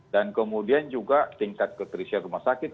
dan kemudian juga tingkat kekerisian rumah sakit